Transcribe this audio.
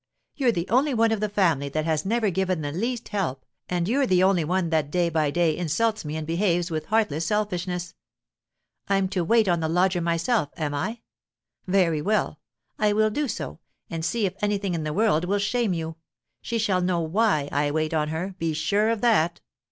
You're the only one of the family that has never given the least help, and you're the only one that day by day insults me and behaves with heartless selfishness! I'm to wait on the lodger myself, am I? Very well! I will do so, and see if anything in the world will shame you. She shall know why I wait on her, be sure of that!"